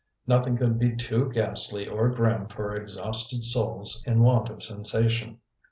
Nothing could be too ghastly or grim for exhausted souls in want of a sensation.